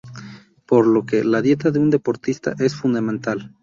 Por lo que, la dieta de un deportista es fundamental.